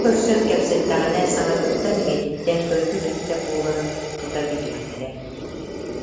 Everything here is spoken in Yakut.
Дьону көрсөн кэпсэттэҕинэ саҥатыттан-иҥэтиттэн дойду киһитэ буоларын тута билиэхтэрэ